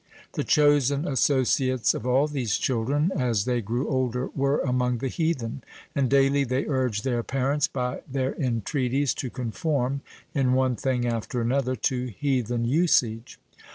The chosen associates of all these children, as they grew older, were among the heathen; and daily they urged their parents, by their entreaties, to conform, in one thing after another, to heathen usage.